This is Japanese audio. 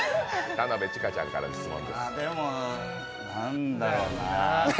田辺智加ちゃんから質問です。